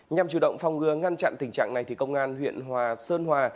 nhằm chủ động phòng ngừa ngăn chặn tình trạng này công an huyện hòa sơn hòa